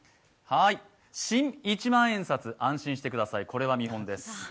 新一万円札、安心してください、これは見本です。